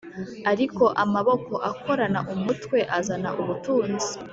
ariko amaboko akorana umwete azana ubutunzi